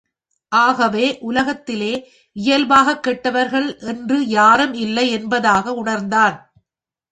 ஆகவே, உலகத்திலே இயல்பாகக் கெட்டவர்கள் என்று யாரும் இல்லை என்பதாக உணர்ந்தான்.